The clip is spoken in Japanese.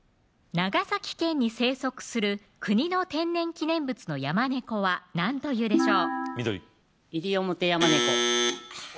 長崎県に生息する国の天然記念物のヤマネコは何というでしょう